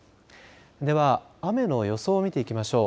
では雨の予想を見ていきましょう。